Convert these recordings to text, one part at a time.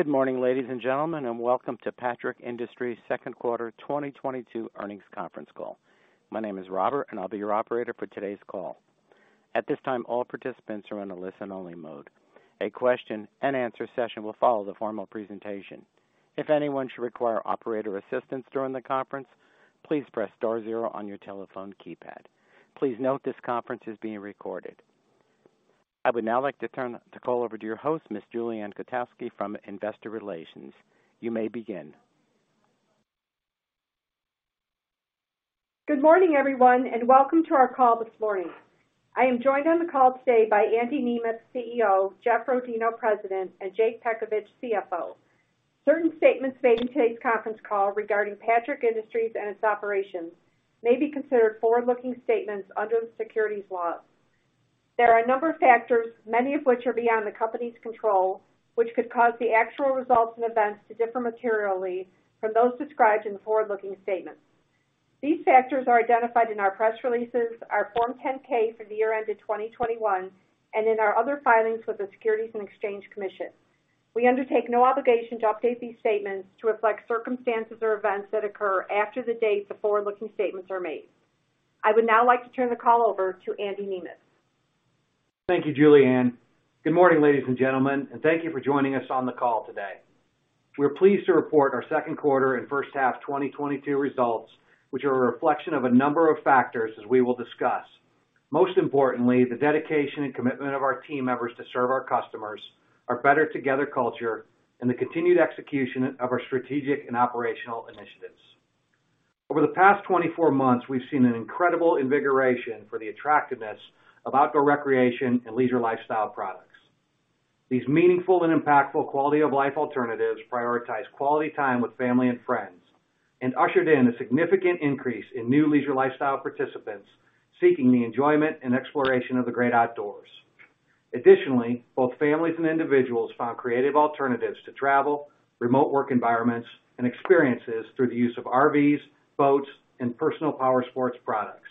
Good morning, ladies and gentlemen, and welcome to Patrick Industries' second quarter 2022 earnings conference call. My name is Robert, and I'll be your operator for today's call. At this time, all participants are on a listen-only mode. A question-and-answer session will follow the formal presentation. If anyone should require operator assistance during the conference, please press star zero on your telephone keypad. Please note this conference is being recorded. I would now like to turn the call over to your host, Ms. Julie Ann Kotowski from Investor Relations. You may begin. Good morning, everyone, and welcome to our call this morning. I am joined on the call today by Andy Nemeth, CEO, Jeff Rodino, President, and Jake Petkovich, CFO. Certain statements made in today's conference call regarding Patrick Industries and its operations may be considered forward-looking statements under the securities laws. There are a number of factors, many of which are beyond the company's control, which could cause the actual results and events to differ materially from those described in the forward-looking statements. These factors are identified in our press releases, our Form 10-K for the year ended 2021, and in our other filings with the Securities and Exchange Commission. We undertake no obligation to update these statements to reflect circumstances or events that occur after the date the forward-looking statements are made. I would now like to turn the call over to Andy Nemeth. Thank you, Julie Ann. Good morning, ladies and gentlemen, and thank you for joining us on the call today. We're pleased to report our second quarter and first half 2022 results, which are a reflection of a number of factors as we will discuss. Most importantly, the dedication and commitment of our team members to serve our customers, our Better Together culture, and the continued execution of our strategic and operational initiatives. Over the past 24 months, we've seen an incredible invigoration for the attractiveness of outdoor recreation and leisure lifestyle products. These meaningful and impactful quality of life alternatives prioritize quality time with family and friends and ushered in a significant increase in new leisure lifestyle participants seeking the enjoyment and exploration of the great outdoors. Additionally, both families and individuals found creative alternatives to travel, remote work environments, and experiences through the use of RVs, boats, and personal power sports products.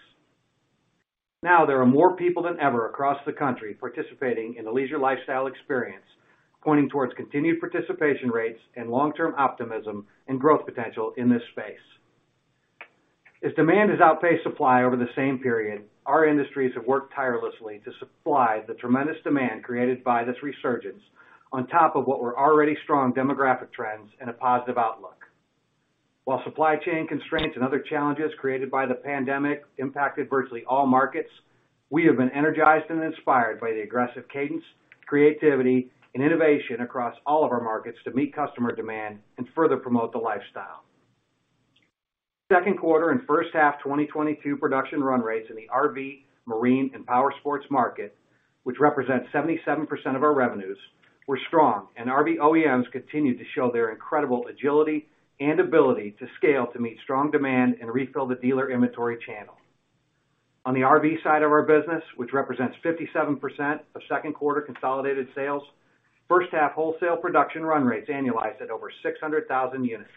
Now, there are more people than ever across the country participating in a leisure lifestyle experience, pointing towards continued participation rates and long-term optimism and growth potential in this space. As demand has outpaced supply over the same period, our industries have worked tirelessly to supply the tremendous demand created by this resurgence on top of what were already strong demographic trends and a positive outlook. While supply chain constraints and other challenges created by the pandemic impacted virtually all markets, we have been energized and inspired by the aggressive cadence, creativity, and innovation across all of our markets to meet customer demand and further promote the lifestyle. Second quarter and first half 2022 production run rates in the RV, marine, and power sports market, which represents 77% of our revenues, were strong, and RV OEMs continued to show their incredible agility and ability to scale to meet strong demand and refill the dealer inventory channel. On the RV side of our business, which represents 57% of second quarter consolidated sales, first half wholesale production run rates annualized at over 600,000 units.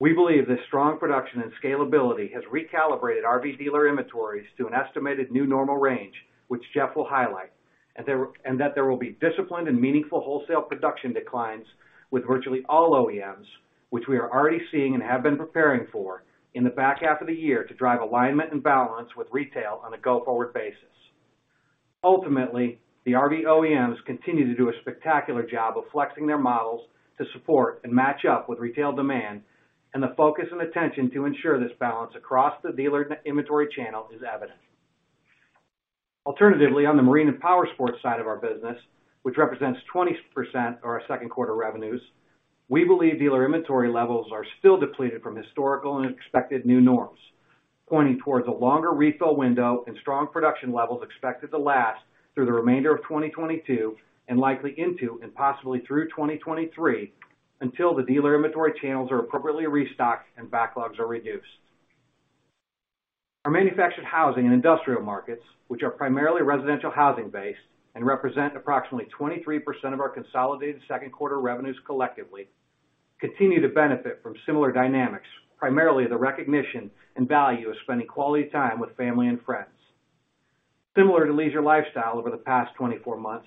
We believe this strong production and scalability has recalibrated RV dealer inventories to an estimated new normal range, which Jeff will highlight, and that there will be disciplined and meaningful wholesale production declines with virtually all OEMs, which we are already seeing and have been preparing for in the back half of the year to drive alignment and balance with retail on a go-forward basis. Ultimately, the RV OEMs continue to do a spectacular job of flexing their models to support and match up with retail demand, and the focus and attention to ensure this balance across the dealer inventory channel is evident. Alternatively, on the marine and powersports side of our business, which represents 20% of our second quarter revenues, we believe dealer inventory levels are still depleted from historical and expected new norms, pointing towards a longer refill window and strong production levels expected to last through the remainder of 2022 and likely into and possibly through 2023 until the dealer inventory channels are appropriately restocked and backlogs are reduced. Our manufactured housing and industrial markets, which are primarily residential housing-based and represent approximately 23% of our consolidated second quarter revenues collectively, continue to benefit from similar dynamics, primarily the recognition and value of spending quality time with family and friends. Similar to leisure lifestyle over the past 24 months,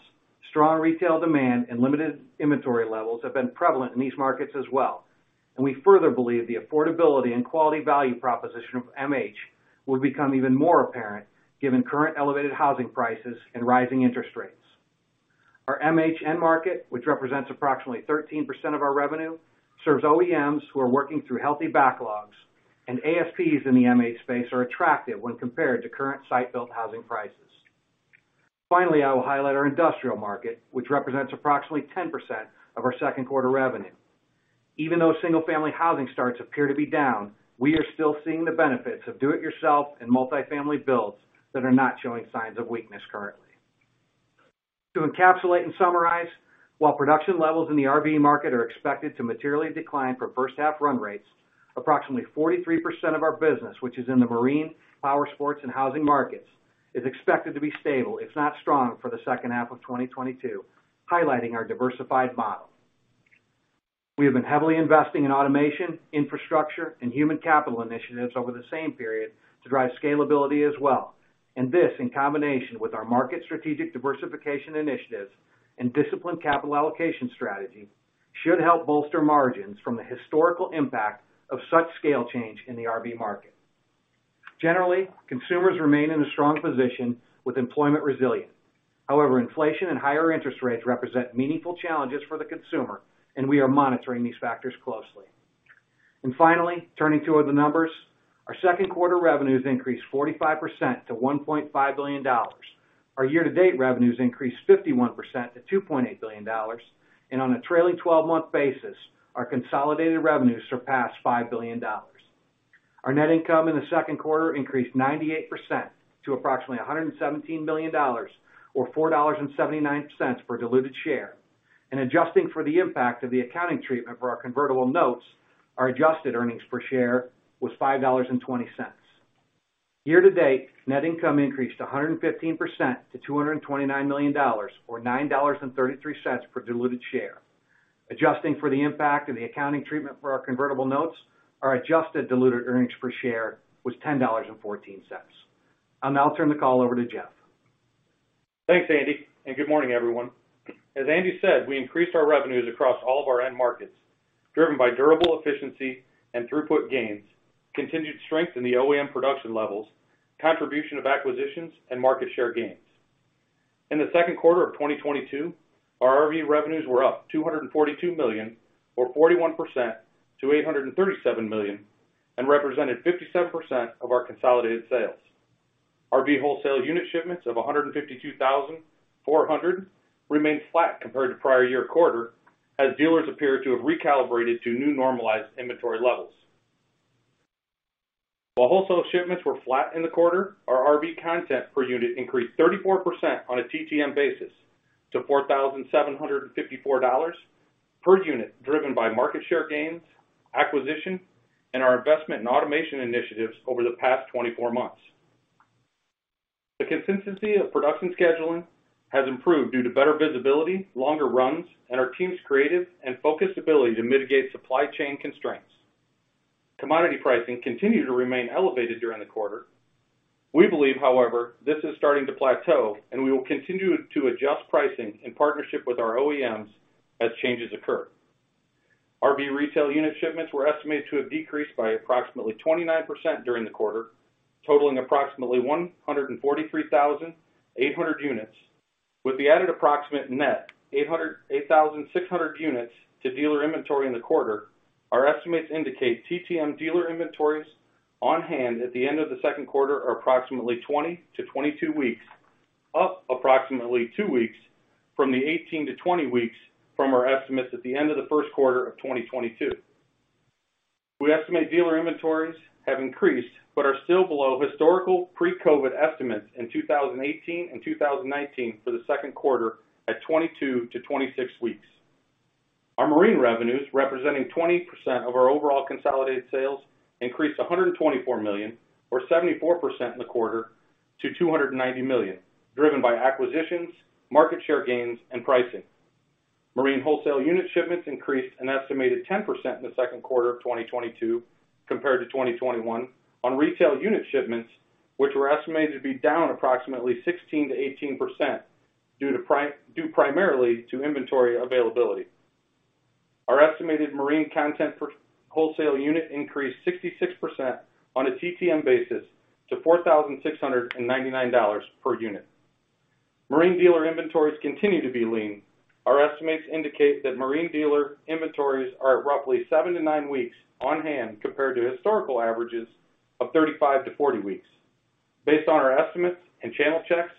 strong retail demand and limited inventory levels have been prevalent in these markets as well, and we further believe the affordability and quality value proposition of MH will become even more apparent given current elevated housing prices and rising interest rates. Our MH end market, which represents approximately 13% of our revenue, serves OEMs who are working through healthy backlogs, and ASPs in the MH space are attractive when compared to current site-built housing prices. Finally, I will highlight our industrial market, which represents approximately 10% of our second quarter revenue. Even though single-family housing starts appear to be down, we are still seeing the benefits of do-it-yourself and multifamily builds that are not showing signs of weakness currently. To encapsulate and summarize, while production levels in the RV market are expected to materially decline for first half run rates, approximately 43% of our business, which is in the marine, powersports, and housing markets, is expected to be stable, if not strong, for the second half of 2022, highlighting our diversified model. We have been heavily investing in automation, infrastructure, and human capital initiatives over the same period to drive scalability as well. This, in combination with our market strategic diversification initiatives and disciplined capital allocation strategy, should help bolster margins from the historical impact of such scale change in the RV market. Generally, consumers remain in a strong position with employment resilient. However, inflation and higher interest rates represent meaningful challenges for the consumer, and we are monitoring these factors closely. Finally, turning to the numbers. Our second quarter revenues increased 45% to $1.5 billion. Our year-to-date revenues increased 51% to $2.8 billion. On a trailing twelve-month basis, our consolidated revenues surpassed $5 billion. Our net income in the second quarter increased 98% to approximately $117 million or $4.79 per diluted share. Adjusting for the impact of the accounting treatment for our convertible notes, our adjusted earnings per share was $5.20. Year-to-date, net income increased 115% to $229 million or $9.33 per diluted share. Adjusting for the impact of the accounting treatment for our convertible notes, our adjusted diluted earnings per share was $10.14. I'll now turn the call over to Jeff. Thanks, Andy, and good morning, everyone. As Andy said, we increased our revenues across all of our end markets, driven by durable efficiency and throughput gains, continued strength in the OEM production levels, contribution of acquisitions, and market share gains. In the second quarter of 2022, our RV revenues were up $242 million or 41% to $837 million and represented 57% of our consolidated sales. RV wholesale unit shipments of 152,400 remained flat compared to prior year quarter as dealers appear to have recalibrated to new normalized inventory levels. While wholesale shipments were flat in the quarter, our RV content per unit increased 34% on a TTM basis to $4,754 per unit, driven by market share gains, acquisition, and our investment in automation initiatives over the past 24 months. The consistency of production scheduling has improved due to better visibility, longer runs, and our team's creative and focused ability to mitigate supply chain constraints. Commodity pricing continued to remain elevated during the quarter. We believe, however, this is starting to plateau, and we will continue to adjust pricing in partnership with our OEMs as changes occur. RV retail unit shipments were estimated to have decreased by approximately 29% during the quarter, totaling approximately 143,800 units. With the added approximate net 8,600 units to dealer inventory in the quarter, our estimates indicate TTM dealer inventories on hand at the end of the second quarter are approximately 20-22 weeks, up approximately two weeks from the 18-20 weeks from our estimates at the end of the first quarter of 2022. We estimate dealer inventories have increased but are still below historical pre-COVID estimates in 2018 and 2019 for the second quarter at 22-26 weeks. Our marine revenues, representing 20% of our overall consolidated sales, increased $124 million or 74% in the quarter to $290 million, driven by acquisitions, market share gains, and pricing. Marine wholesale unit shipments increased an estimated 10% in the second quarter of 2022 compared to 2021 on retail unit shipments, which were estimated to be down approximately 16%-18% due primarily to inventory availability. Our estimated marine content per wholesale unit increased 66% on a TTM basis to $4,699 per unit. Marine dealer inventories continue to be lean. Our estimates indicate that marine dealer inventories are roughly 7-9 weeks on hand compared to historical averages of 35-40 weeks. Based on our estimates and channel checks,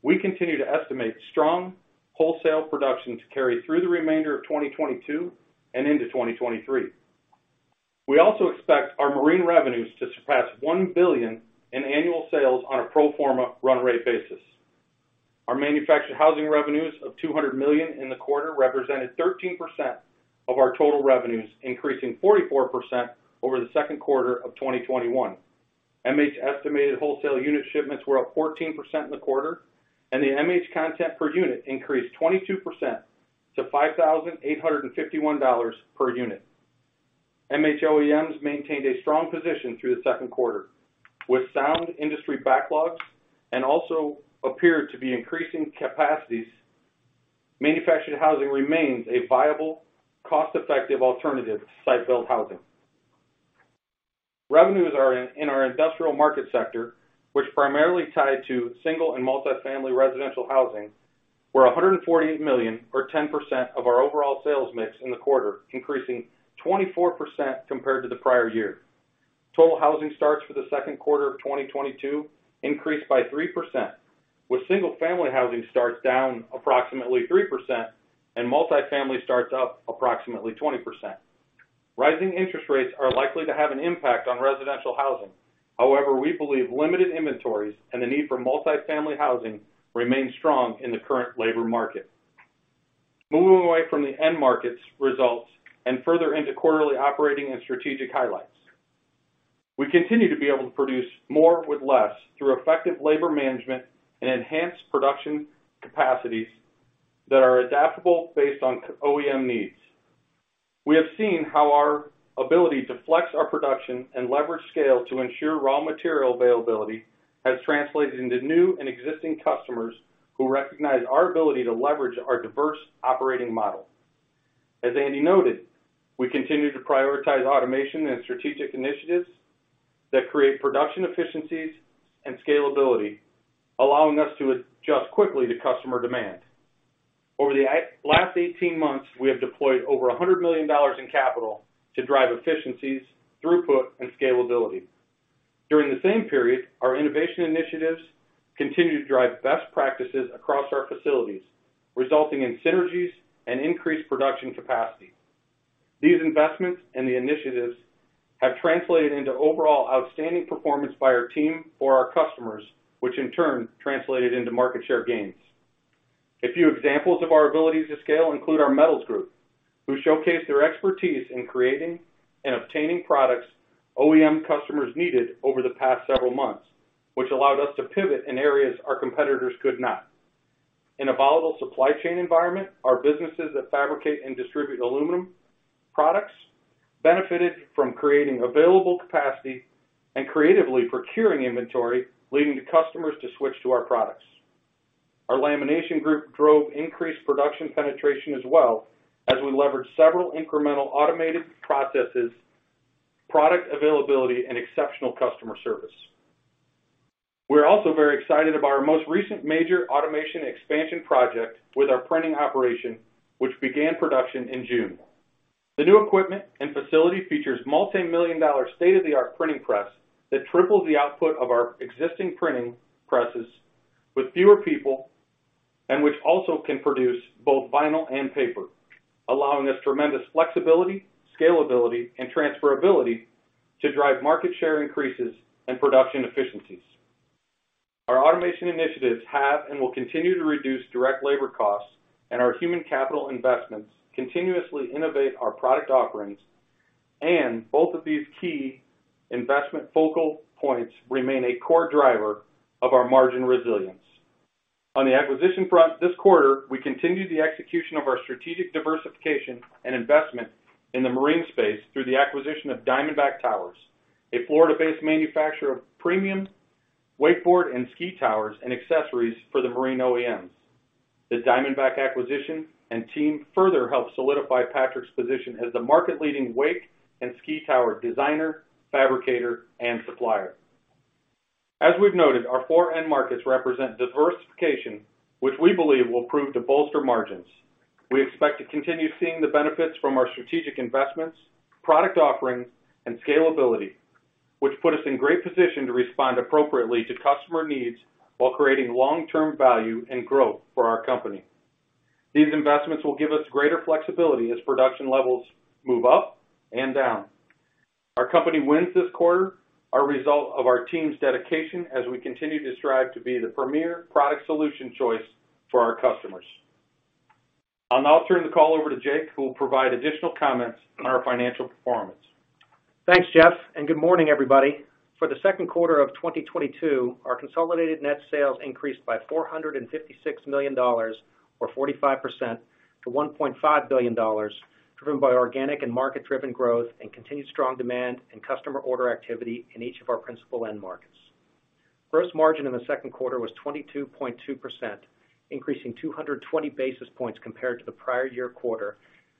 we continue to estimate strong wholesale production to carry through the remainder of 2022 and into 2023. We also expect our marine revenues to surpass $1 billion in annual sales on a pro forma run rate basis. Our manufactured housing revenues of $200 million in the quarter represented 13% of our total revenues, increasing 44% over the second quarter of 2021. MH estimated wholesale unit shipments were up 14% in the quarter, and the MH content per unit increased 22% to $5,851 per unit. MH OEMs maintained a strong position through the second quarter with sound industry backlogs and also appeared to be increasing capacities. Manufactured housing remains a viable, cost-effective alternative to site-built housing. Revenues are in our industrial market sector, which primarily tied to single and multifamily residential housing, were $148 million or 10% of our overall sales mix in the quarter, increasing 24% compared to the prior year. Total housing starts for the second quarter of 2022 increased by 3%, with single-family housing starts down approximately 3% and multifamily starts up approximately 20%. Rising interest rates are likely to have an impact on residential housing. However, we believe limited inventories and the need for multifamily housing remains strong in the current labor market. Moving away from the end markets results and further into quarterly operating and strategic highlights. We continue to be able to produce more with less through effective labor management and enhanced production capacities that are adaptable based on OEM needs. We have seen how our ability to flex our production and leverage scale to ensure raw material availability has translated into new and existing customers who recognize our ability to leverage our diverse operating model. As Andy noted, we continue to prioritize automation and strategic initiatives that create production efficiencies and scalability, allowing us to adjust quickly to customer demand. Over the last 18 months, we have deployed over $100 million in capital to drive efficiencies, throughput, and scalability. During the same period, our innovation initiatives continued to drive best practices across our facilities, resulting in synergies and increased production capacity. These investments and the initiatives have translated into overall outstanding performance by our team for our customers, which in turn translated into market share gains. A few examples of our abilities to scale include our metals group, who showcased their expertise in creating and obtaining products OEM customers needed over the past several months, which allowed us to pivot in areas our competitors could not. In a volatile supply chain environment, our businesses that fabricate and distribute aluminum products benefited from creating available capacity and creatively procuring inventory, leading to customers to switch to our products. Our lamination group drove increased production penetration as well as we leveraged several incremental automated processes, product availability, and exceptional customer service. We're also very excited about our most recent major automation expansion project with our printing operation, which began production in June. The new equipment and facility features multimillion-dollar state-of-the-art printing press that triples the output of our existing printing presses with fewer people, and which also can produce both vinyl and paper, allowing us tremendous flexibility, scalability, and transferability to drive market share increases and production efficiencies. Our automation initiatives have and will continue to reduce direct labor costs, and our human capital investments continuously innovate our product offerings. Both of these key investment focal points remain a core driver of our margin resilience. On the acquisition front, this quarter, we continued the execution of our strategic diversification and investment in the marine space through the acquisition of Diamondback Towers, a Florida-based manufacturer of premium wakeboard and ski towers and accessories for the marine OEMs. The Diamondback acquisition and team further help solidify Patrick's position as the market-leading wake and ski tower designer, fabricator, and supplier. As we've noted, our four end markets represent diversification, which we believe will prove to bolster margins. We expect to continue seeing the benefits from our strategic investments, product offerings, and scalability, which put us in great position to respond appropriately to customer needs while creating long-term value and growth for our company. These investments will give us greater flexibility as production levels move up and down. Our company's wins this quarter are a result of our team's dedication as we continue to strive to be the premier product solution choice for our customers. I'll now turn the call over to Jake, who will provide additional comments on our financial performance. Thanks, Jeff, and good morning, everybody. For the second quarter of 2022, our consolidated net sales increased by $456 million or 45% to $1.5 billion, driven by organic and market-driven growth and continued strong demand and customer order activity in each of our principal end markets. Gross margin in the second quarter was 22.2%, increasing 220 basis points compared to the prior year quarter,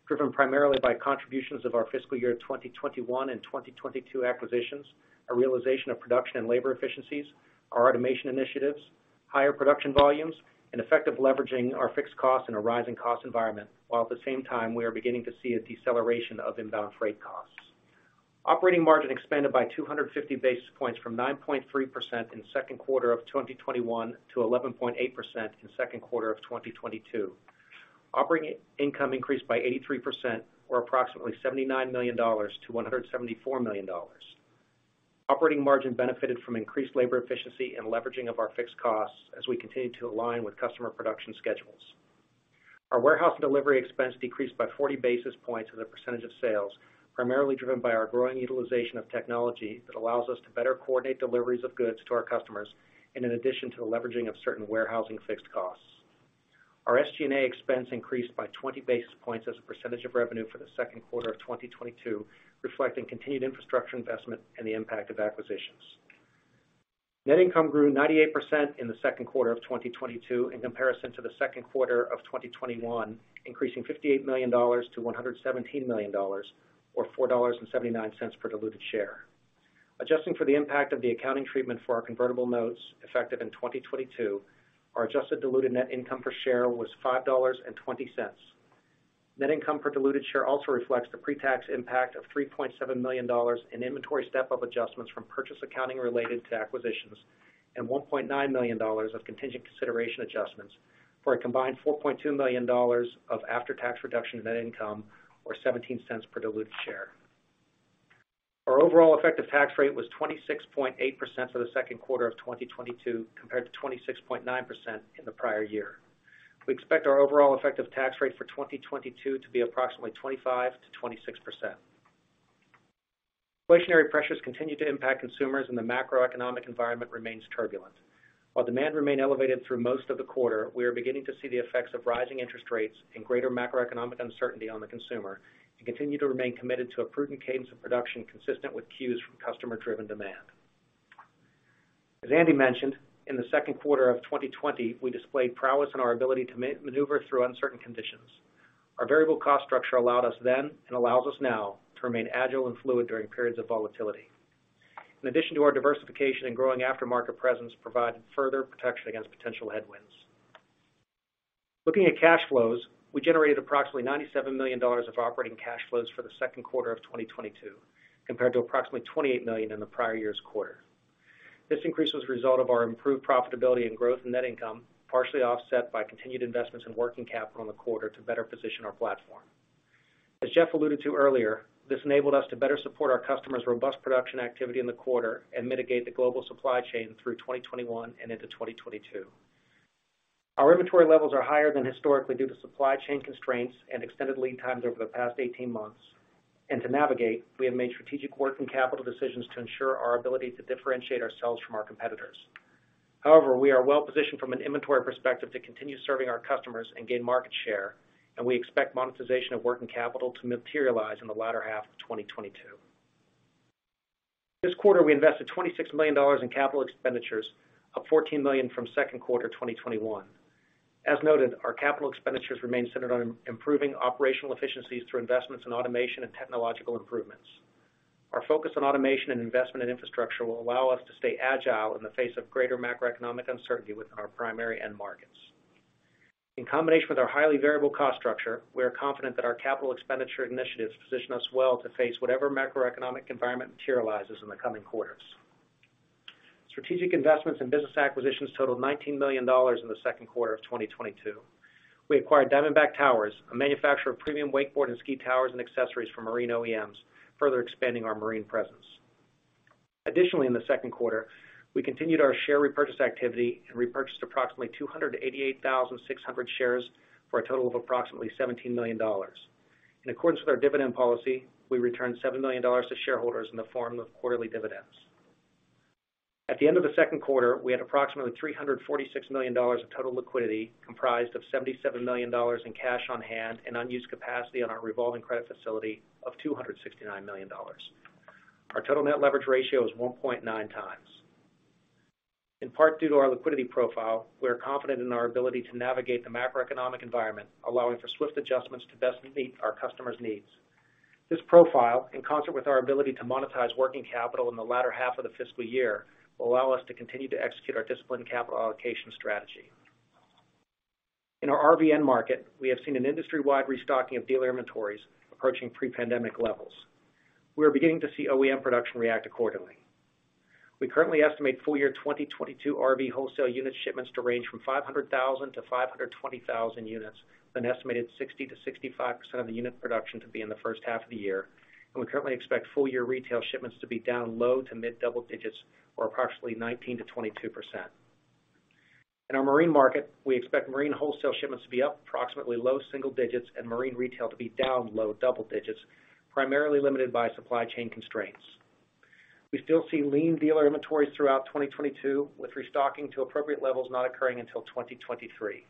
driven primarily by contributions of our fiscal year 2021 and 2022 acquisitions, our realization of production and labor efficiencies, our automation initiatives, higher production volumes, and effective leveraging our fixed costs in a rising cost environment, while at the same time, we are beginning to see a deceleration of inbound freight costs. Operating margin expanded by 250 basis points from 9.3% in second quarter of 2021 to 11.8% in second quarter of 2022. Operating income increased by 83% or approximately $79 million-$174 million. Operating margin benefited from increased labor efficiency and leveraging of our fixed costs as we continue to align with customer production schedules. Our warehouse and delivery expense decreased by 40 basis points as a percentage of sales, primarily driven by our growing utilization of technology that allows us to better coordinate deliveries of goods to our customers and in addition to the leveraging of certain warehousing fixed costs. Our SG&A expense increased by 20 basis points as a percentage of revenue for the second quarter of 2022, reflecting continued infrastructure investment and the impact of acquisitions. Net income grew 98% in the second quarter of 2022 in comparison to the second quarter of 2021, increasing $58 million-$117 million or $4.79 per diluted share. Adjusting for the impact of the accounting treatment for our convertible notes effective in 2022, our adjusted diluted net income per share was $5.20. Net income per diluted share also reflects the pre-tax impact of $3.7 million in inventory step-up adjustments from purchase accounting related to acquisitions and $1.9 million of contingent consideration adjustments for a combined $4.2 million of after-tax reduction of net income or $0.17 per diluted share. Our overall effective tax rate was 26.8% for the second quarter of 2022 compared to 26.9% in the prior year. We expect our overall effective tax rate for 2022 to be approximately 25%-26%. Inflationary pressures continue to impact consumers and the macroeconomic environment remains turbulent. While demand remained elevated through most of the quarter, we are beginning to see the effects of rising interest rates and greater macroeconomic uncertainty on the consumer and continue to remain committed to a prudent cadence of production consistent with cues from customer-driven demand. As Andy mentioned, in the second quarter of 2020, we displayed prowess in our ability to maneuver through uncertain conditions. Our variable cost structure allowed us then and allows us now to remain agile and fluid during periods of volatility. In addition to our diversification and growing aftermarket presence provided further protection against potential headwinds. Looking at cash flows, we generated approximately $97 million of operating cash flows for the second quarter of 2022, compared to approximately $28 million in the prior year's quarter. This increase was a result of our improved profitability and growth in net income, partially offset by continued investments in working capital in the quarter to better position our platform. As Jeff alluded to earlier, this enabled us to better support our customers' robust production activity in the quarter and mitigate the global supply chain through 2021 and into 2022. Our inventory levels are higher than historically due to supply chain constraints and extended lead times over the past 18 months. To navigate, we have made strategic working capital decisions to ensure our ability to differentiate ourselves from our competitors. However, we are well positioned from an inventory perspective to continue serving our customers and gain market share, and we expect monetization of working capital to materialize in the latter half of 2022. This quarter, we invested $26 million in capital expenditures, up $14 million from second quarter 2021. As noted, our capital expenditures remain centered on improving operational efficiencies through investments in automation and technological improvements. Our focus on automation and investment in infrastructure will allow us to stay agile in the face of greater macroeconomic uncertainty within our primary end markets. In combination with our highly variable cost structure, we are confident that our capital expenditure initiatives position us well to face whatever macroeconomic environment materializes in the coming quarters. Strategic investments and business acquisitions totaled $19 million in the second quarter of 2022. We acquired Diamondback Towers, a manufacturer of premium wakeboard and ski towers and accessories for marine OEMs, further expanding our marine presence. Additionally, in the second quarter, we continued our share repurchase activity and repurchased approximately 288,600 shares for a total of approximately $17 million. In accordance with our dividend policy, we returned $7 million to shareholders in the form of quarterly dividends. At the end of the second quarter, we had approximately $346 million of total liquidity, comprised of $77 million in cash on hand and unused capacity on our revolving credit facility of $269 million. Our total net leverage ratio is 1.9x. In part due to our liquidity profile, we are confident in our ability to navigate the macroeconomic environment, allowing for swift adjustments to best meet our customers' needs. This profile, in concert with our ability to monetize working capital in the latter half of the fiscal year, will allow us to continue to execute our disciplined capital allocation strategy. In our RV and marine market, we have seen an industry-wide restocking of dealer inventories approaching pre-pandemic levels. We are beginning to see OEM production react accordingly. We currently estimate full year 2022 RV wholesale unit shipments to range from 500,000-520,000 units, with an estimated 60%-65% of the unit production to be in the first half of the year. We currently expect full year retail shipments to be down low to mid double digits or approximately 19%-22%. In our marine market, we expect marine wholesale shipments to be up approximately low single digits and marine retail to be down low double digits, primarily limited by supply chain constraints. We still see lean dealer inventories throughout 2022, with restocking to appropriate levels not occurring until 2023.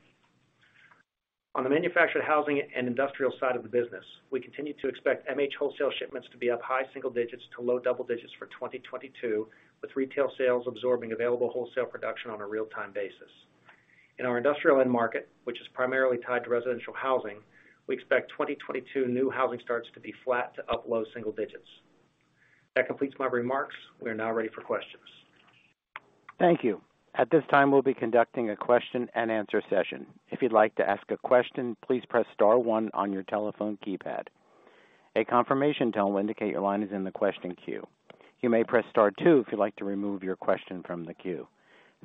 On the manufactured housing and industrial side of the business, we continue to expect MH wholesale shipments to be up high single digits to low double digits for 2022, with retail sales absorbing available wholesale production on a real-time basis. In our industrial end market, which is primarily tied to residential housing, we expect 2022 new housing starts to be flat to up low single digits. That completes my remarks. We are now ready for questions. Thank you. At this time, we'll be conducting a question and answer session. If you'd like to ask a question, please press star one on your telephone keypad. A confirmation tone will indicate your line is in the question queue. You may press star two if you'd like to remove your question from the queue.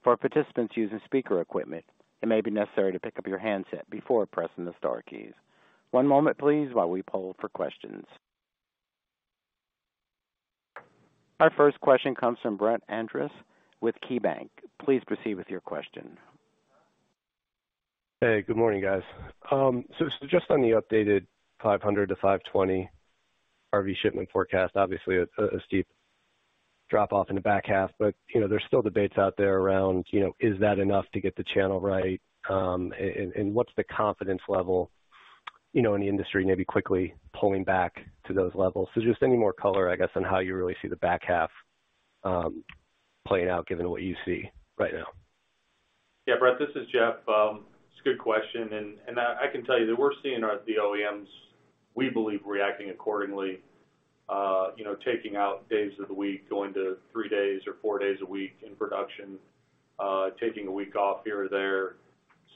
For participants using speaker equipment, it may be necessary to pick up your handset before pressing the star keys. One moment, please, while we poll for questions. Our first question comes from Brett Andress with KeyBanc Capital Markets. Please proceed with your question. Hey, good morning, guys. So just on the updated 500-520 RV shipment forecast, obviously a steep drop-off in the back half, but you know, there's still debates out there around, you know, is that enough to get the channel right, and what's the confidence level, you know, in the industry maybe quickly pulling back to those levels? Just any more color, I guess, on how you really see the back half playing out given what you see right now. Yeah, Brett, this is Jeff. It's a good question, and I can tell you that we're seeing the OEMs, we believe, reacting accordingly. You know, taking out days of the week, going to three days or four days a week in production, taking a week off here or there.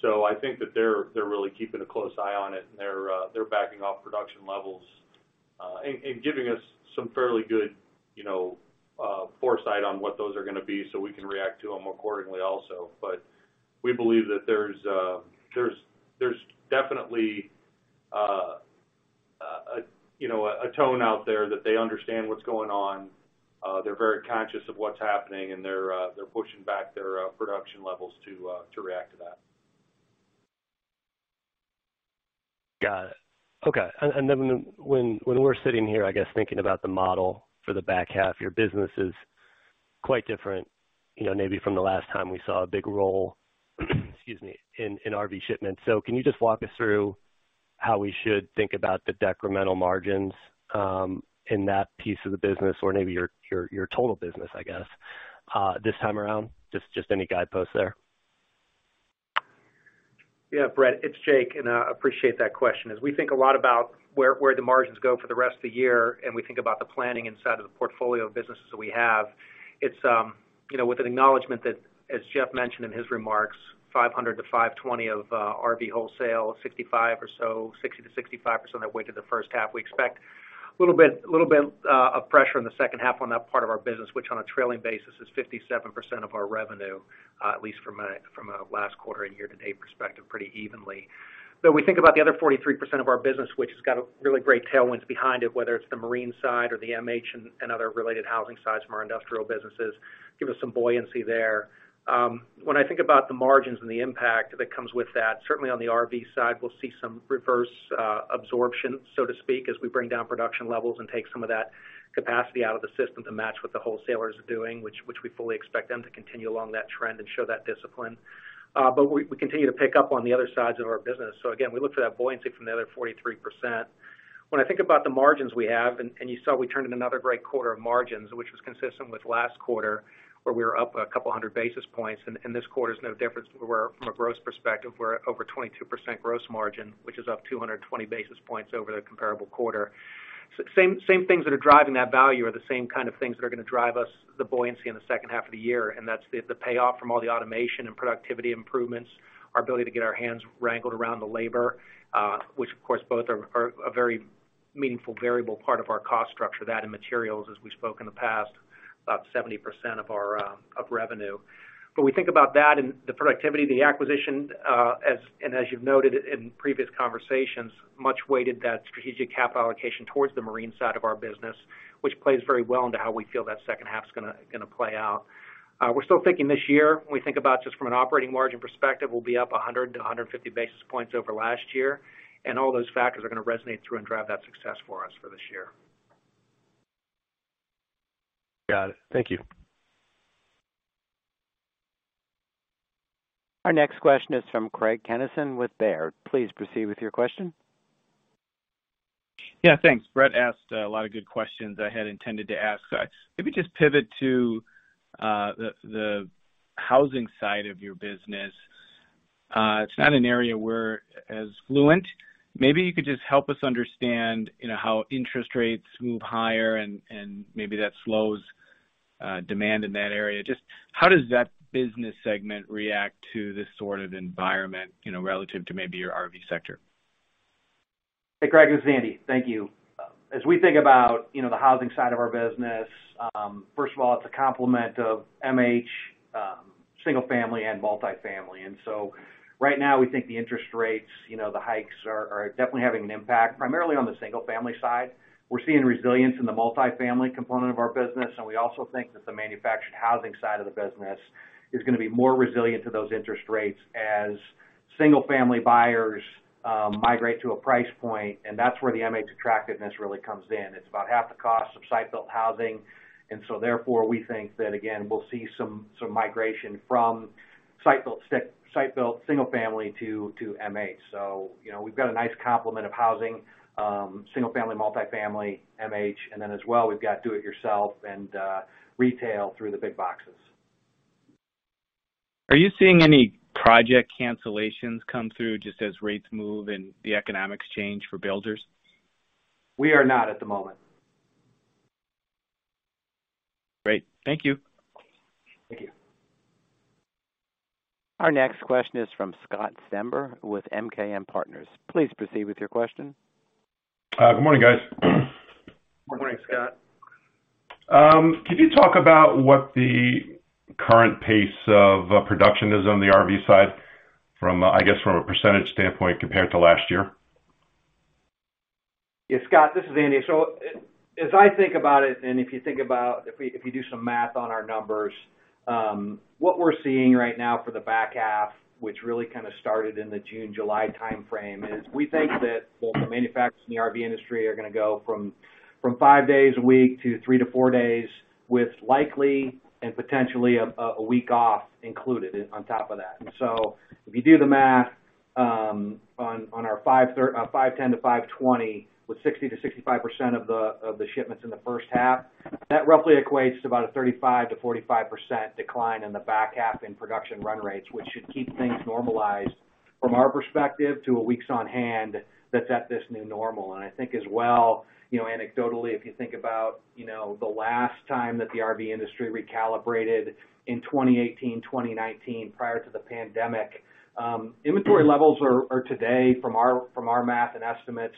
I think that they're really keeping a close eye on it and they're backing off production levels, and giving us some fairly good, you know, foresight on what those are gonna be so we can react to them accordingly also. We believe that there's definitely A tone out there that they understand what's going on, they're very conscious of what's happening, and they're pushing back their production levels to react to that. Got it. Okay. Then when we're sitting here, I guess, thinking about the model for the back half, your business is quite different, you know, maybe from the last time we saw a big roll, excuse me, in RV shipments. Can you just walk us through how we should think about the decremental margins in that piece of the business or maybe your total business, I guess, this time around? Just any guideposts there. Yeah, Brett, it's Jake, and I appreciate that question. As we think a lot about where the margins go for the rest of the year, and we think about the planning inside of the portfolio of businesses that we have, it's, you know, with an acknowledgment that, as Jeff mentioned in his remarks, 500-520 of RV wholesale, 65 or so, 60%-65% of that weight to the first half. We expect a little bit of pressure in the second half on that part of our business, which on a trailing basis is 57% of our revenue, at least from a last quarter and year-to-date perspective, pretty evenly. We think about the other 43% of our business, which has got a really great tailwinds behind it, whether it's the marine side or the MH and other related housing sides from our industrial businesses, give us some buoyancy there. When I think about the margins and the impact that comes with that, certainly on the RV side, we'll see some reverse absorption, so to speak, as we bring down production levels and take some of that capacity out of the system to match what the wholesalers are doing, which we fully expect them to continue along that trend and show that discipline. We continue to pick up on the other sides of our business. Again, we look for that buoyancy from the other 43%. When I think about the margins we have, and you saw we turned in another great quarter of margins, which was consistent with last quarter, where we were up a couple of hundred basis points, and this quarter is no different from a gross perspective, we're at over 22% gross margin, which is up 220 basis points over the comparable quarter. Same things that are driving that value are the same kind of things that are gonna drive us the buoyancy in the second half of the year, and that's the payoff from all the automation and productivity improvements, our ability to get our hands wrangled around the labor, which of course both are a very meaningful variable part of our cost structure, that and materials, as we spoke in the past, about 70% of our revenue. We think about that and the productivity, the acquisition, as and as you've noted in previous conversations, much weighted that strategic capital allocation towards the marine side of our business, which plays very well into how we feel that second half's gonna play out. We're still thinking this year, when we think about just from an operating margin perspective, we'll be up 100-150 basis points over last year, and all those factors are gonna resonate through and drive that success for us for this year. Got it. Thank you. Our next question is from Craig Kennison with Baird. Please proceed with your question. Yeah, thanks. Brett asked a lot of good questions I had intended to ask. Maybe just pivot to the housing side of your business. It's not an area we're as fluent. Maybe you could just help us understand, you know, how interest rates move higher and maybe that slows demand in that area. Just how does that business segment react to this sort of environment, you know, relative to maybe your RV sector? Hey, Craig, this is Andy. Thank you. As we think about, you know, the housing side of our business, first of all, it's a component of MH, single-family and multifamily. Right now we think the interest rates, you know, the hikes are definitely having an impact, primarily on the single-family side. We're seeing resilience in the multifamily component of our business, and we also think that the manufactured housing side of the business is gonna be more resilient to those interest rates as single-family buyers migrate to a price point, and that's where the MH attractiveness really comes in. It's about half the cost of site-built housing, and so therefore, we think that again, we'll see some migration from site-built single-family to MH. You know, we've got a nice complement of housing, single family, multifamily, MH, and then as well, we've got do it yourself and retail through the big boxes. Are you seeing any project cancellations come through just as rates move and the economics change for builders? We are not at the moment. Great. Thank you. Thank you. Our next question is from Scott Stember with MKM Partners. Please proceed with your question. Good morning, guys. Good morning, Scott. Could you talk about what the current pace of production is on the RV side from a percentage standpoint compared to last year? Yeah, Scott, this is Andy. As I think about it, and if you think about if we, if you do some math on our numbers, what we're seeing right now for the back half, which really kind of started in the June, July timeframe, is we think that both the manufacturers in the RV industry are gonna go from five days a week to three to four days, with likely and potentially a week off included on top of that. If you do the math on our 510-520, with 60%-65% of the shipments in the first half, that roughly equates to about a 35%-45% decline in the back half in production run rates, which should keep things normalized from our perspective to a weeks on hand that's at this new normal. I think as well, you know, anecdotally, if you think about, you know, the last time that the RV industry recalibrated in 2018, 2019 prior to the pandemic, inventory levels are today, from our math and estimates,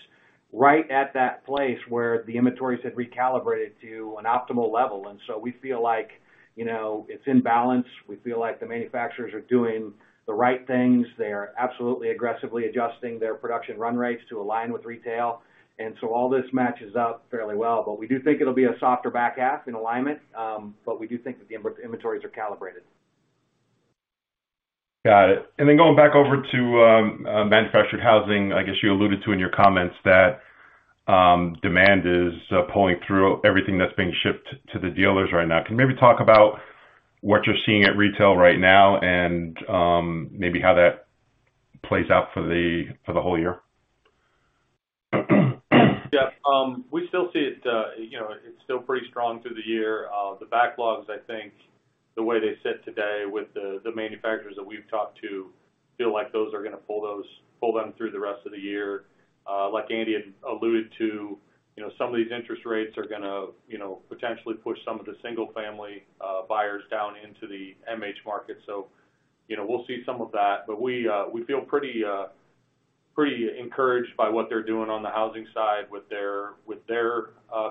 right at that place where the inventories had recalibrated to an optimal level. We feel like, you know, it's in balance. We feel like the manufacturers are doing the right things. They are absolutely aggressively adjusting their production run rates to align with retail. All this matches up fairly well. We do think it'll be a softer back half in alignment, but we do think that the inventories are calibrated. Got it. Going back over to manufactured housing, I guess you alluded to in your comments that demand is pulling through everything that's being shipped to the dealers right now. Can you maybe talk about what you're seeing at retail right now and maybe how that plays out for the whole year? Yeah. We still see it, you know, it's still pretty strong through the year. The backlogs, I think the way they sit today with the manufacturers that we've talked to feel like those are gonna pull them through the rest of the year. Like Andy had alluded to, you know, some of these interest rates are gonna, you know, potentially push some of the single family buyers down into the MH market. We'll see some of that. We feel pretty encouraged by what they're doing on the housing side with their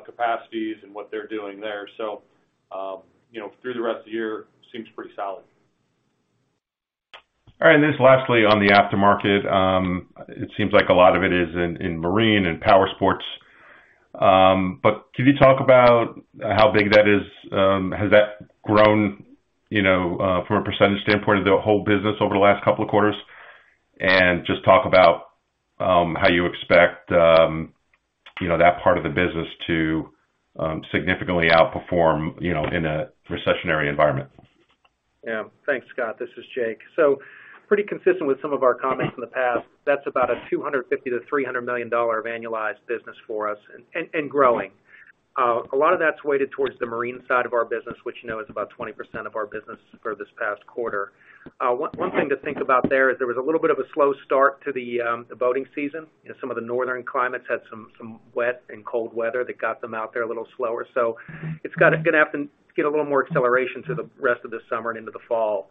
capacities and what they're doing there. You know, through the rest of the year seems pretty solid. All right. Then just lastly on the aftermarket, it seems like a lot of it is in marine and power sports. Can you talk about how big that is? Has that grown, you know, from a percentage standpoint of the whole business over the last couple of quarters? Just talk about how you expect, you know, that part of the business to significantly outperform, you know, in a recessionary environment. Yeah. Thanks, Scott. This is Jake. Pretty consistent with some of our comments in the past, that's about $250 million-$300 million of annualized business for us and growing. A lot of that's weighted towards the marine side of our business, which, you know, is about 20% of our business for this past quarter. One thing to think about there is there was a little bit of a slow start to the boating season. You know, some of the northern climates had some wet and cold weather that got them out there a little slower. It's gonna have to get a little more acceleration through the rest of the summer and into the fall.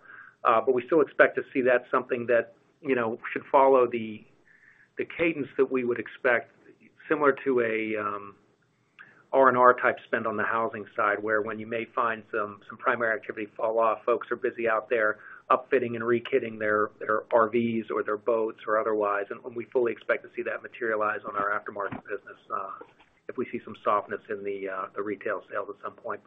We still expect to see that. That's something that, you know, should follow the cadence that we would expect, similar to a R&R type spend on the housing side, where when you may find some primary activity fall off, folks are busy out there upfitting and rekitting their RVs or their boats or otherwise. We fully expect to see that materialize on our aftermarket business, if we see some softness in the retail sales at some point.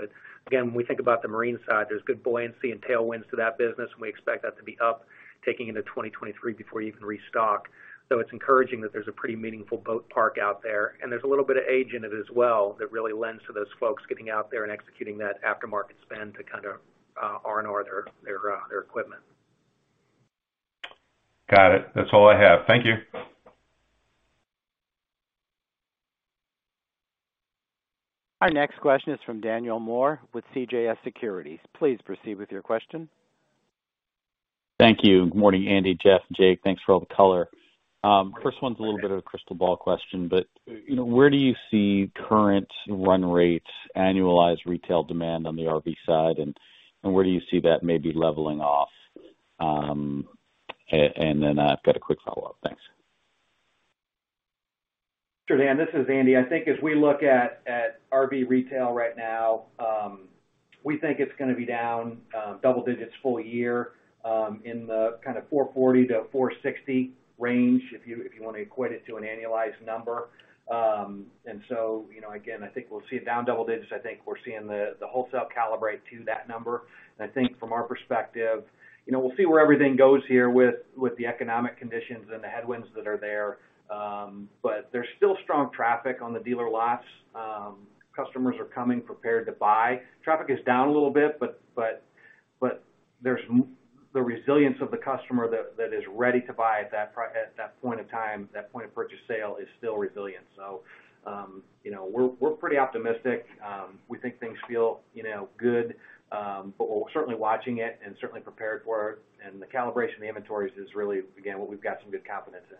When we think about the marine side, there's good buoyancy and tailwinds to that business, and we expect that to be upticking into 2023 before you even restock. It's encouraging that there's a pretty meaningful boat park out there, and there's a little bit of age in it as well that really lends to those folks getting out there and executing that aftermarket spend to kind of R&R their equipment. Got it. That's all I have. Thank you. Our next question is from Daniel Moore with CJS Securities. Please proceed with your question. Thank you. Good morning, Andy, Jeff, Jake. Thanks for all the color. First one's a little bit of a crystal ball question, but, you know, where do you see current run rates, annualized retail demand on the RV side, and where do you see that maybe leveling off? And then I've got a quick follow-up. Thanks. Sure, Dan. This is Andy. I think as we look at RV retail right now, we think it's gonna be down double digits full year in the kind of 440-460 range if you wanna equate it to an annualized number. You know, again, I think we'll see it down double digits. I think we're seeing the wholesale calibrate to that number. I think from our perspective, you know, we'll see where everything goes here with the economic conditions and the headwinds that are there. There's still strong traffic on the dealer lots. Customers are coming prepared to buy. Traffic is down a little bit, but there's the resilience of the customer that is ready to buy at that point in time, that point of purchase sale is still resilient. You know, we're pretty optimistic. We think things feel, you know, good, but we're certainly watching it and certainly prepared for it. The calibration of the inventories is really, again, what we've got some good confidence in.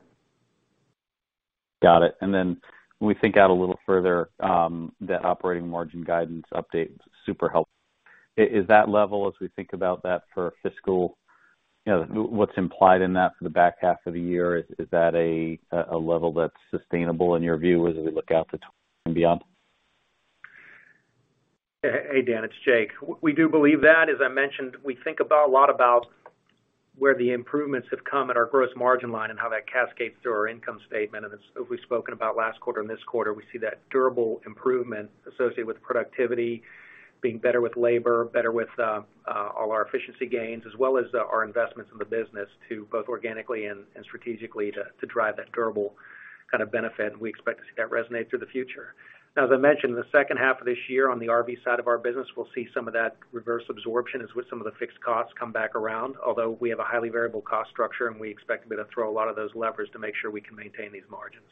Got it. Then when we think out a little further, that operating margin guidance update was super helpful. Is that level as we think about that for fiscal, you know, what's implied in that for the back half of the year, is that a level that's sustainable in your view as we look out to and beyond? Hey, Dan, it's Jake. We do believe that. As I mentioned, we think about a lot about where the improvements have come at our gross margin line and how that cascades through our income statement. As we've spoken about last quarter and this quarter, we see that durable improvement associated with productivity, being better with labor, better with all our efficiency gains, as well as our investments in the business to both organically and strategically to drive that durable kind of benefit. We expect to see that resonate through the future. Now, as I mentioned, the second half of this year on the RV side of our business, we'll see some of that reverse absorption as with some of the fixed costs come back around. Although we have a highly variable cost structure, and we expect to be able to throw a lot of those levers to make sure we can maintain these margins.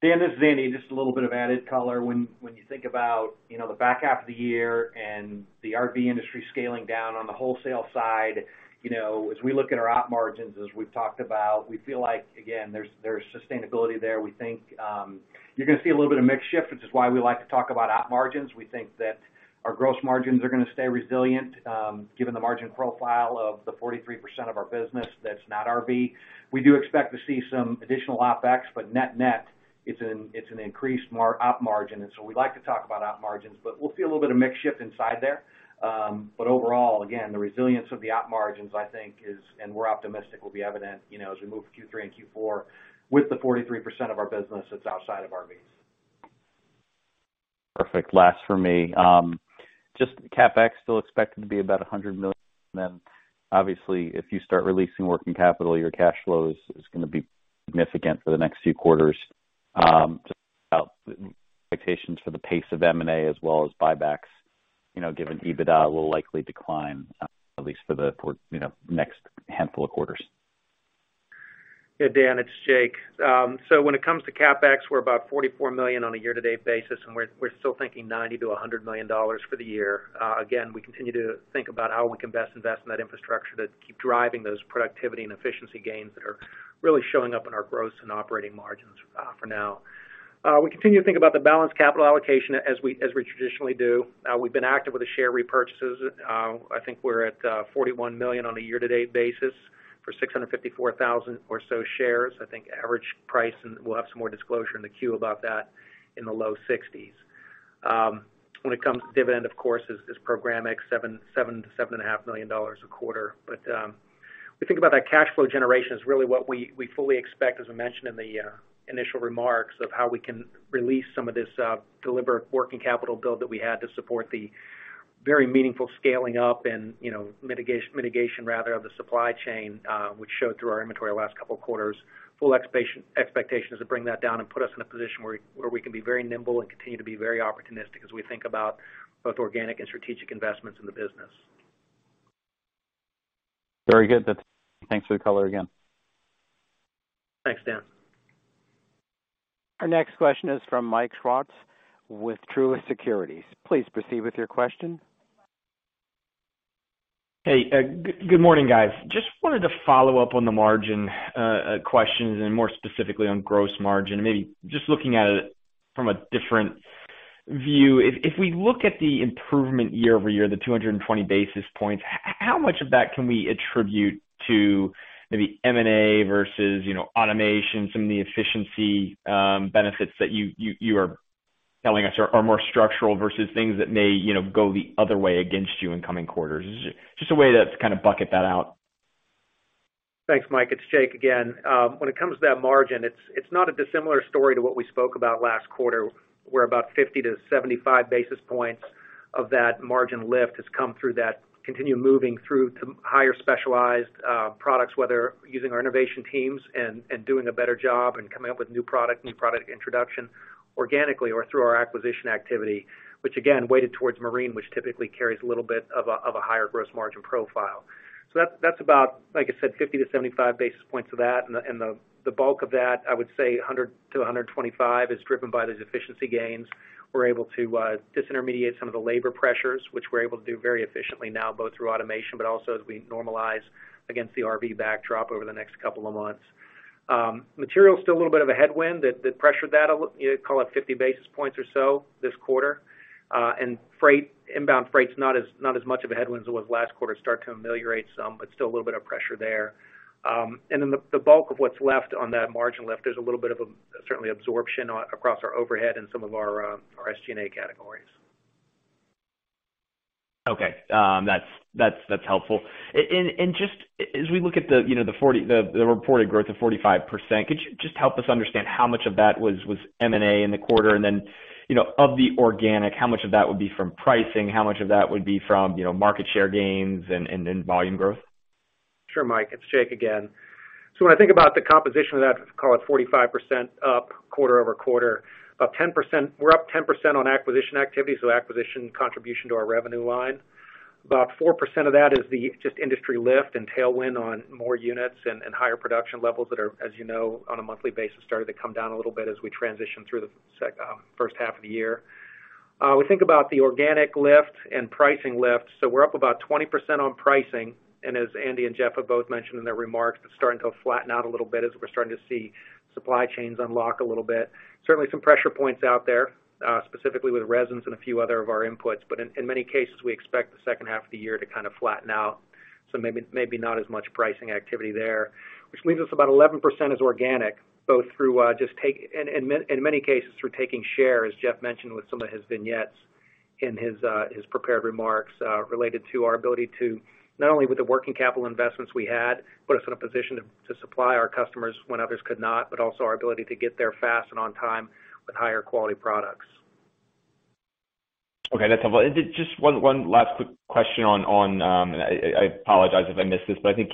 Dan, this is Andy. Just a little bit of added color. When you think about, you know, the back half of the year and the RV industry scaling down on the wholesale side, you know, as we look at our op margins, as we've talked about, we feel like, again, there's sustainability there. We think you're gonna see a little bit of mix shift, which is why we like to talk about op margins. We think that our gross margins are gonna stay resilient, given the margin profile of the 43% of our business that's not RV. We do expect to see some additional OpEx, but net-net, it's an increased op margin. We like to talk about op margins, but we'll see a little bit of mix shift inside there. Overall, again, the resilience of the op margins I think is, and we're optimistic will be evident, you know, as we move through Q3 and Q4 with the 43% of our business that's outside of RVs. Perfect. Last for me. Just CapEx still expected to be about $100 million. Obviously, if you start releasing working capital, your cash flow is gonna be significant for the next few quarters. Just about expectations for the pace of M&A as well as buybacks, you know, given EBITDA will likely decline, at least for the, you know, next handful of quarters. Yeah, Daniel, it's Jake. So when it comes to CapEx, we're about $44 million on a year-to-date basis, and we're still thinking $90 milllion-$100 million for the year. Again, we continue to think about how we can best invest in that infrastructure that keep driving those productivity and efficiency gains that are really showing up in our gross and operating margins, for now. We continue to think about the balanced capital allocation as we traditionally do. We've been active with the share repurchases. I think we're at $41 million on a year-to-date basis for 654,000 or so shares. I think average price, and we'll have some more disclosure in the queue about that, in the low 60s. When it comes to dividend, of course, it's $7.7 million-$7.5 million a quarter. We think about that cash flow generation is really what we fully expect, as we mentioned in the initial remarks, of how we can release some of this deliberate working capital build that we had to support the very meaningful scaling up and, you know, mitigation rather of the supply chain, which showed through our inventory last couple of quarters. Full expectation is to bring that down and put us in a position where we can be very nimble and continue to be very opportunistic as we think about both organic and strategic investments in the business. Very good. That's. Thanks for the color again. Thanks, Dan. Our next question is from Michael Swartz with Truist Securities. Please proceed with your question. Hey, good morning, guys. Just wanted to follow up on the margin questions, and more specifically on gross margin. Maybe just looking at it from a different view. If we look at the improvement year over year, the 200 basis points, how much of that can we attribute to maybe M&A versus, you know, automation, some of the efficiency benefits that you are telling us are more structural versus things that may, you know, go the other way against you in coming quarters? Just a way to kind of bucket that out. Thanks, Mike. It's Jake again. When it comes to that margin, it's not a dissimilar story to what we spoke about last quarter, where about 50-75 basis points of that margin lift has come through that continue moving through to higher specialized products, whether using our innovation teams and doing a better job and coming up with new product introduction organically or through our acquisition activity. Which again, weighted towards marine, which typically carries a little bit of a higher gross margin profile. So that's about, like I said, 50-75 basis points of that. And the bulk of that, I would say 100-125 is driven by those efficiency gains. We're able to disintermediate some of the labor pressures, which we're able to do very efficiently now, both through automation, but also as we normalize against the RV backdrop over the next couple of months. Material is still a little bit of a headwind that pressured that a little, you know, call it 50 basis points or so this quarter. Freight, inbound freight is not as much of a headwind as it was last quarter. Starting to ameliorate some, but still a little bit of pressure there. The bulk of what's left on that margin lift is a little bit of certainly absorption across our overhead and some of our SG&A categories. Okay. That's helpful. Just as we look at the you know reported growth of 45%, could you just help us understand how much of that was M&A in the quarter? You know of the organic, how much of that would be from pricing? How much of that would be from you know market share gains and volume growth? Sure, Mike. It's Jake again. When I think about the composition of that, call it 45% up quarter-over-quarter, about 10% we're up 10% on acquisition activity, so acquisition contribution to our revenue line. About 4% of that is the just industry lift and tailwind on more units and higher production levels that are, as you know, on a monthly basis, started to come down a little bit as we transition through the first half of the year. We think about the organic lift and pricing lift, so we're up about 20% on pricing. And as Andy and Jeff have both mentioned in their remarks, it's starting to flatten out a little bit as we're starting to see supply chains unlock a little bit. Certainly some pressure points out there, specifically with resins and a few other of our inputs. In many cases, we expect the second half of the year to kind of flatten out, so maybe not as much pricing activity there. Which leaves us about 11% as organic, both through in many cases through taking share, as Jeff mentioned with some of his vignettes in his prepared remarks, related to our ability to not only with the working capital investments we had, put us in a position to supply our customers when others could not, but also our ability to get there fast and on time with higher quality products. Okay, that's helpful. Just one last quick question. I apologize if I missed this, but I think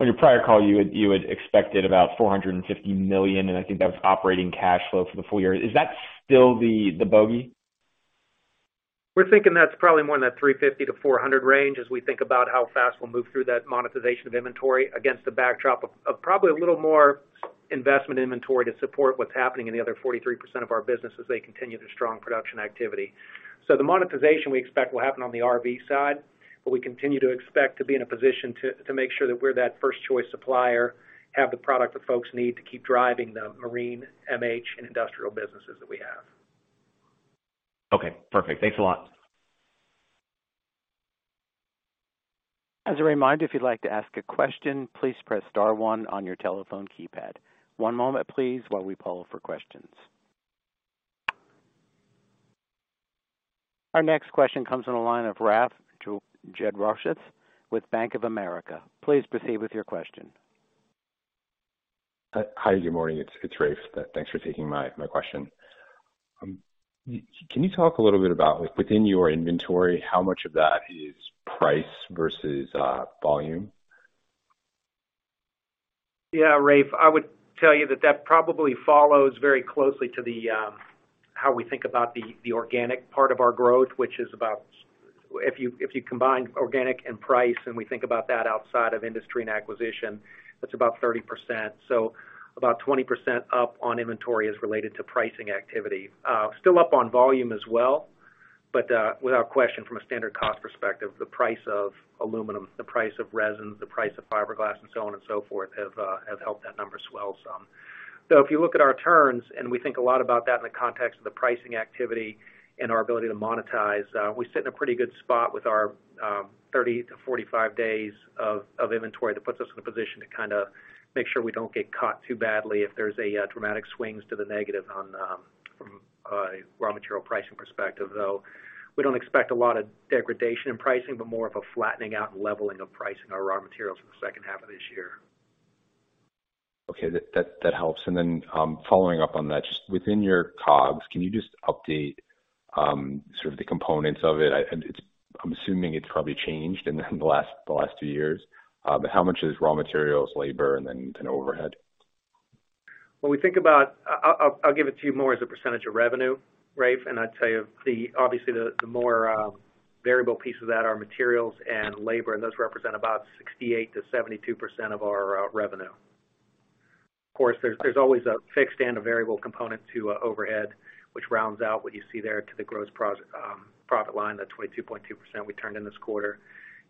on your prior call, you had expected about $450 million, and I think that was operating cash flow for the full year. Is that still the bogey? We're thinking that's probably more in that $350 million-$400 million range as we think about how fast we'll move through that monetization of inventory against the backdrop of probably a little more investment inventory to support what's happening in the other 43% of our business as they continue their strong production activity. The monetization we expect will happen on the RV side, but we continue to expect to be in a position to make sure that we're that first choice supplier, have the product that folks need to keep driving the marine, MH, and industrial businesses that we have. Okay, perfect. Thanks a lot. As a reminder, if you'd like to ask a question, please press star one on your telephone keypad. One moment, please, while we poll for questions. Our next question comes on the line of Rafe Jadrosich with Bank of America. Please proceed with your question. Hi, good morning. It's Rafe. Thanks for taking my question. Can you talk a little bit about like within your inventory, how much of that is price versus volume? Yeah, Rafe, I would tell you that that probably follows very closely to the how we think about the organic part of our growth, which is about. If you combine organic and price, and we think about that outside of industry and acquisition, that's about 30%. So about 20% up on inventory is related to pricing activity. Still up on volume as well, but without question, from a standard cost perspective, the price of aluminum, the price of resin, the price of fiberglass and so on and so forth have helped that number swell some. So if you look at our turns, and we think a lot about that in the context of the pricing activity and our ability to monetize, we sit in a pretty good spot with our 30-45 days of inventory. That puts us in a position to kinda make sure we don't get caught too badly if there's a dramatic swings to the negative on the raw material pricing perspective. Though, we don't expect a lot of degradation in pricing, but more of a flattening out and leveling of pricing our raw materials for the second half of this year. Okay. That helps. Following up on that, just within your COGS, can you just update sort of the components of it? I'm assuming it's probably changed in the last two years. How much is raw materials, labor, and overhead? When we think about, I'll give it to you more as a percentage of revenue, Rafe, and I'd tell you, obviously, the more variable pieces of that are materials and labor, and those represent about 68%-72% of our revenue. Of course, there's always a fixed and a variable component to overhead, which rounds out what you see there to the gross profit line, that 22.2% we turned in this quarter.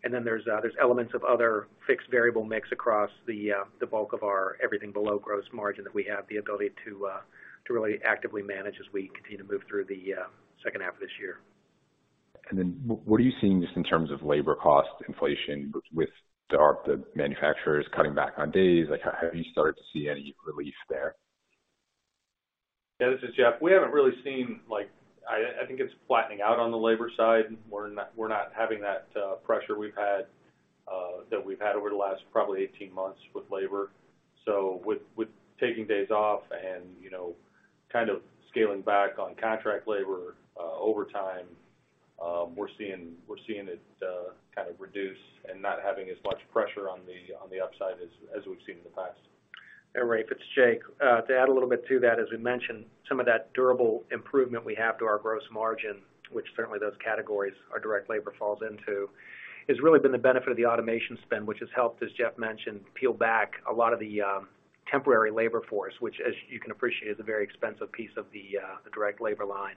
Then there's elements of other fixed variable mix across the bulk of our everything below gross margin that we have the ability to really actively manage as we continue to move through the second half of this year. What are you seeing just in terms of labor cost inflation with the RVs, the manufacturers cutting back on days? Like, have you started to see any relief there? Yeah, this is Jeff. We haven't really seen like I think it's flattening out on the labor side. We're not having that pressure we've had over the last probably 18 months with labor. With taking days off and you know kind of scaling back on contract labor overtime we're seeing it kind of reduce and not having as much pressure on the upside as we've seen in the past. Rafe, it's Jake. To add a little bit to that, as we mentioned, some of that durable improvement we have to our gross margin, which certainly those categories our direct labor falls into, has really been the benefit of the automation spend, which has helped, as Jeff mentioned, peel back a lot of the temporary labor force, which as you can appreciate, is a very expensive piece of the direct labor line,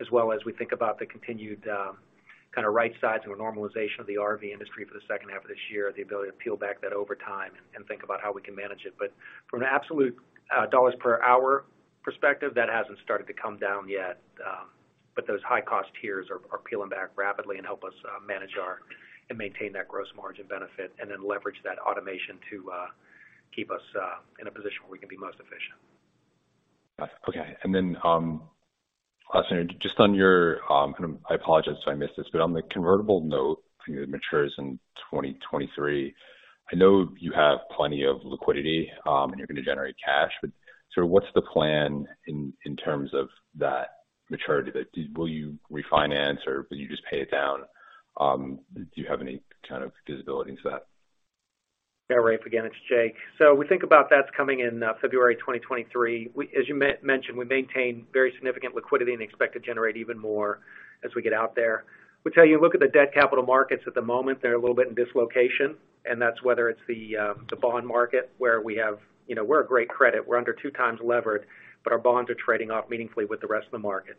as well as we think about the continued kinda right size of a normalization of the RV industry for the second half of this year, the ability to peel back that over time and think about how we can manage it. But from an absolute dollars per hour perspective, that hasn't started to come down yet. Those high cost tiers are peeling back rapidly and help us manage our and maintain that gross margin benefit and then leverage that automation to keep us in a position where we can be most efficient. Got it. Okay. Last thing. Just on your kind of I apologize if I missed this, but on the convertible note that matures in 2023, I know you have plenty of liquidity, and you're gonna generate cash, but sort of what's the plan in terms of that maturity? Like, will you refinance or will you just pay it down? Do you have any kind of visibility into that? Yeah, Rafe. Again, it's Jake. We think about that's coming in February 2023. As you mentioned, we maintain very significant liquidity and expect to generate even more as we get out there. We tell you, look at the debt capital markets at the moment. They're a little bit in dislocation, and that's whether it's the bond market where we have. You know, we're a great credit. We're under 2x levered, but our bonds are trading off meaningfully with the rest of the market.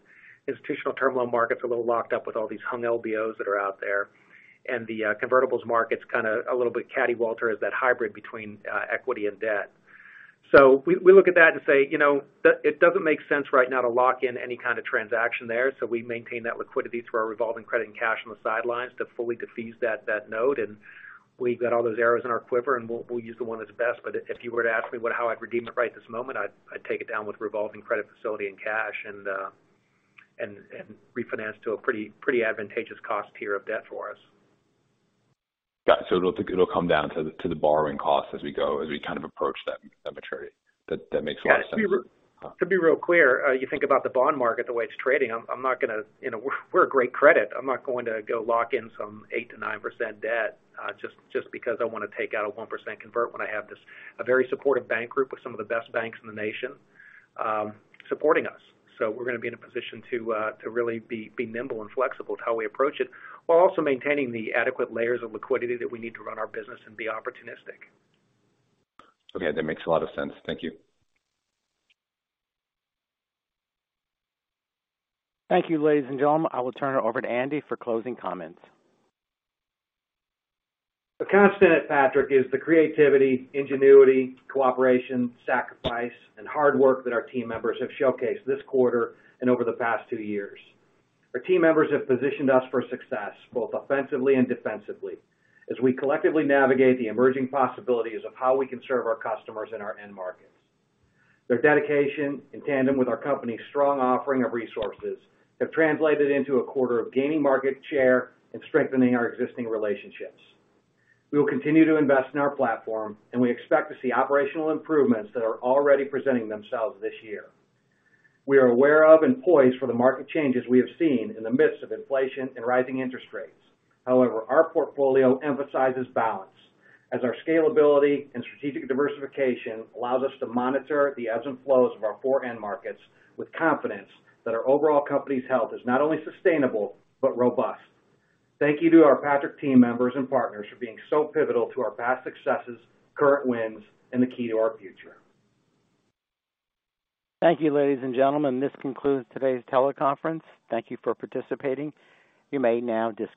Institutional term loan market's a little locked up with all these hung LBOs that are out there. The convertibles market's kind of a little bit choppy as that hybrid between equity and debt. We look at that and say, you know, it doesn't make sense right now to lock in any kind of transaction there. We maintain that liquidity through our revolving credit and cash on the sidelines to fully defeasance that note. We've got all those arrows in our quiver, and we'll use the one that's best. If you were to ask me how I'd redeem it right this moment, I'd take it down with revolving credit facility and cash and refinance to a pretty advantageous cost tier of debt for us. Got it. It'll come down to the borrowing cost as we go, as we kind of approach that maturity. That makes a lot of sense. Yeah. To be real clear, you think about the bond market, the way it's trading. You know, we're a great credit. I'm not going to go lock in some 8%-9% debt just because I wanna take out a 1% convert when I have this a very supportive bank group with some of the best banks in the nation supporting us. We're gonna be in a position to really be nimble and flexible to how we approach it, while also maintaining the adequate layers of liquidity that we need to run our business and be opportunistic. Okay. That makes a lot of sense. Thank you. Thank you, ladies and gentlemen. I will turn it over to Andy for closing comments. A constant at Patrick is the creativity, ingenuity, cooperation, sacrifice, and hard work that our team members have showcased this quarter and over the past two years. Our team members have positioned us for success both offensively and defensively as we collectively navigate the emerging possibilities of how we can serve our customers in our end markets. Their dedication in tandem with our company's strong offering of resources have translated into a quarter of gaining market share and strengthening our existing relationships. We will continue to invest in our platform, and we expect to see operational improvements that are already presenting themselves this year. We are aware of and poised for the market changes we have seen in the midst of inflation and rising interest rates. However, our portfolio emphasizes balance, as our scalability and strategic diversification allows us to monitor the ebbs and flows of our four end markets with confidence that our overall company's health is not only sustainable but robust. Thank you to our Patrick team members and partners for being so pivotal to our past successes, current wins, and the key to our future. Thank you, ladies and gentlemen. This concludes today's teleconference. Thank you for participating. You may now disconnect.